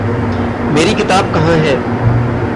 मेरी किताब कहाँ है?